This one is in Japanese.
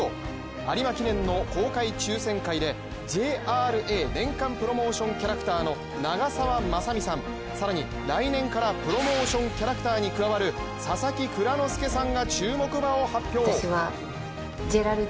有馬記念の公開抽選会でＪＲＡ年間プロモーションキャラクターの長澤まさみさん、更に来年からプロモーションキャラクターに加わる佐々木蔵之介さんが注目馬を発表！